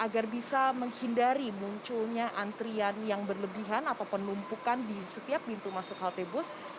dan jika ada penumpukan yang berlebihan atau penumpukan di setiap pintu masuk halte bus